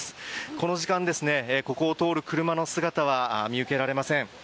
この時間、ここを通る車の姿は見受けられません。